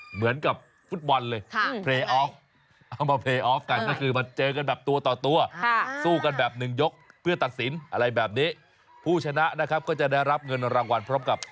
เหมือนกับฟุตบอลเลยประกาศนียบัตรเชื่อชูเกียร์อีกด้วยนะครับ